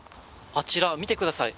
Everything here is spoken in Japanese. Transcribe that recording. あちら、見てください。